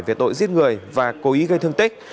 về tội giết người và cố ý gây thương tích